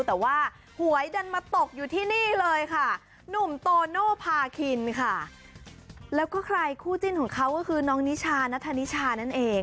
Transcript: แต่ว่าหวยดันตกอยู่ที่นี่เลยค่ะหนุ่มโตโน่พาคินขคลายคนของเขาคือน้องนิชาย์นไดนิชาย์เนี่ยเอง